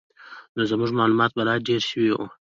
نو زموږ معلومات به لا ډېر شوي وو.